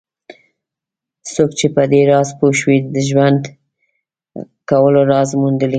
څوک چې په دې راز پوه شي د ژوند کولو راز موندلی.